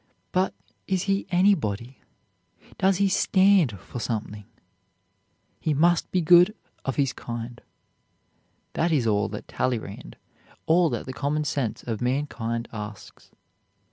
but is he anybody? does he stand for something? He must be good of his kind. That is all that Talleyrand, all that the common sense of mankind asks.